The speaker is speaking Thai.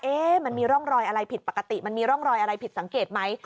มันมีร่องรอยอะไรผิดปกติมันมีร่องรอยอะไรผิดสังเกตไหม